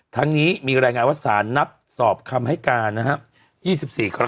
ทั้งนี้มีรายงานว่าสารนัดสอบคำให้การนะครับ